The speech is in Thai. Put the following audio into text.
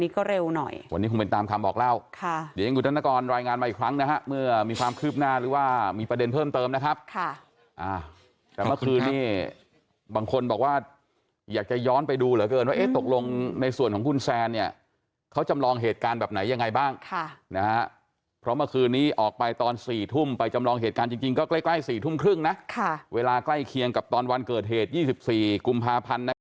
ครับค่ะอ่าแต่เมื่อคืนนี้บางคนบอกว่าอยากจะย้อนไปดูเหรอเกินว่าเอ๊ะตกลงในส่วนของคุณแซนเนี้ยเขาจำลองเหตุการณ์แบบไหนยังไงบ้างค่ะนะฮะเพราะเมื่อคืนนี้ออกไปตอนสี่ทุ่มไปจำลองเหตุการณ์จริงจริงก็ใกล้ใกล้สี่ทุ่มครึ่งนะค่ะเวลาใกล้เคียงกับตอนวันเกิดเหตุยี่สิบสี่กุมภาพันธ์